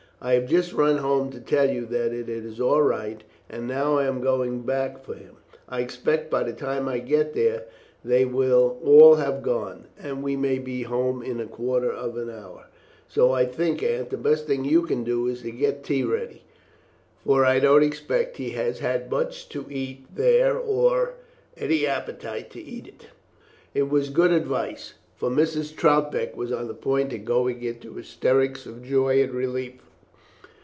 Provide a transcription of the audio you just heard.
I have just run home to tell you that it is all right, and now I am going back for him. I expect by the time I get there they will all have gone, and we may be home in a quarter of an hour, so I think, Aunt, the best thing you can do is to get tea ready, for I don't expect he has had much to eat there, or any appetite to eat it." It was good advice, for Mrs. Troutbeck was on the point of going into hysterics from joy and relief.